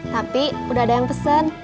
tapi udah ada yang pesen